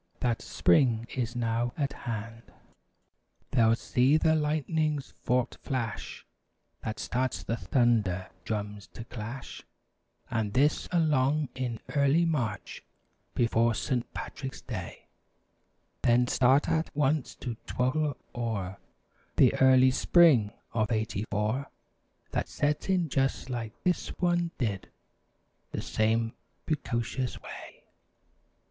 That, "Spring is now at hand." They'll see the lightning's forked flash That starts the thunder drums to clash, And this along in early March, Before Saint Patrick's Day; 132 Then start at once to twaddle O^er The early spring of eighty four, That set in just like this one did— The same precocious way.